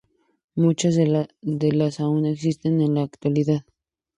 Muchas de las aún existen en la actualidad.